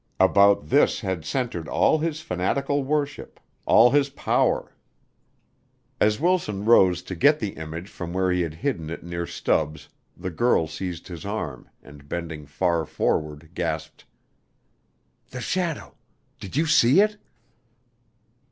About this had centered all his fanatical worship all his power. As Wilson rose to get the image from where he had hidden it near Stubbs, the girl seized his arm and, bending far forward, gasped: "The shadow did you see it?"